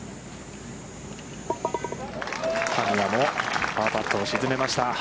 神谷もパーパットを沈めました。